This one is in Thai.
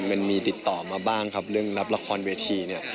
มันมีติดต่อมาบ้างครับเรื่องรับละครเวทีเนี่ย